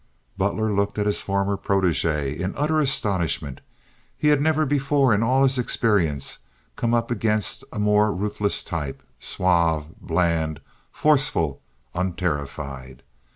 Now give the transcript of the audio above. Butler looked at his former protege in utter astonishment. He had never before in all his experience come up against a more ruthless type—suave, bland, forceful, unterrified.